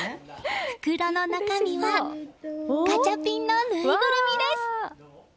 袋の中身はガチャピンのぬいぐるみです。